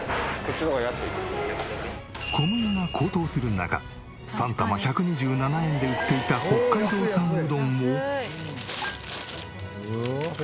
小麦が高騰する中３玉１２７円で売っていた北海道産うどんを。